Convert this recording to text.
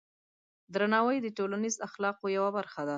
درناوی د ټولنیز اخلاقو یوه برخه ده.